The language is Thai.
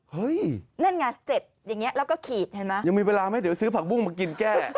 นั่นไง๗อย่างนี้แล้วก็ขีดเห็นไหมยังมีเวลาไหมเดี๋ยวซื้อผักบุ้งมากินแก้